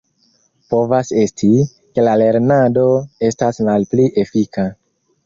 Povas esti, ke la lernado estas malpli efika.